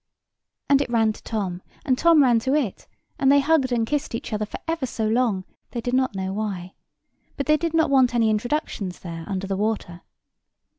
And it ran to Tom, and Tom ran to it, and they hugged and kissed each other for ever so long, they did not know why. But they did not want any introductions there under the water.